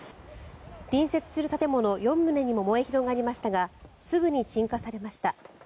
隣接する建物４棟にも燃え広がりましたがすぐに鎮火されました。